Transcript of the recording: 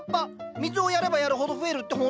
水をやればやるほど増えるってほんと？